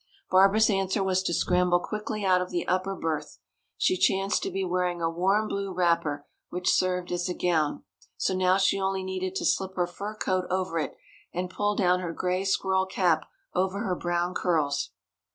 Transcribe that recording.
Barbara's answer was to scramble quickly out of the upper berth. She chanced to be wearing a warm blue wrapper which served as a gown. So now she only needed to slip her fur coat over it and pull down her gray squirrel cap over her brown curls.